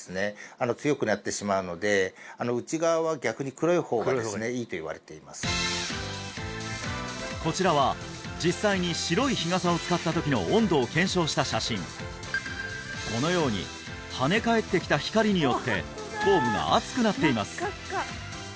白は日光を跳ね返してくれる色ですがそこにこちらは実際に白い日傘を使った時の温度を検証した写真このように跳ね返ってきた光によって頭部が熱くなっています